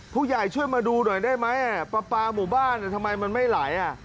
ผู้ใหญ่ช่วยมาดูหน่อยได้ไหมอ่ะปลาปลาหมู่บ้านอ่ะทำไมมันไม่ไหลอ่ะ